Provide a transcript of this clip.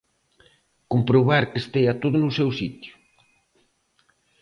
Comprobar que estea todo no seu sitio.